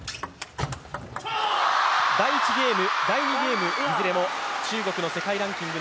第１ゲーム、第２ゲームいずれも中国の世界ランキング